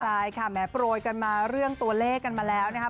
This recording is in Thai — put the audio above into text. ใช่ค่ะแม้โปรยกันมาเรื่องตัวเลขกันมาแล้วนะครับ